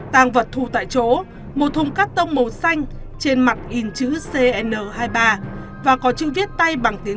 tàng vật thu tại chỗ một thùng cắt tông màu xanh trên mặt in chữ cn hai mươi ba và có chữ viết tay bằng tiếng